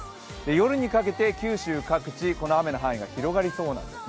夜にかけて九州各地、この雨の範囲が広くなりそうです。